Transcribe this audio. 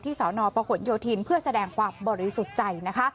ที่สอนอประขวนโยธินเพื่อแสดงความบริสุทธิ์ใจ